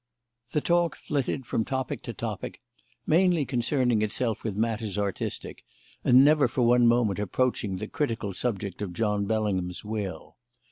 The talk flitted from topic to topic, mainly concerning itself with matters artistic, and never for one moment approaching the critical subject of John Bellingham's will.